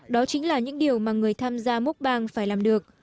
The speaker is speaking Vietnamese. đó chính là những điều mà người tham gia múc bang phải làm được